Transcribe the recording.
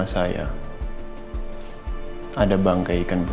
ke rumahvolla datjani diampun secara theatriv ag taco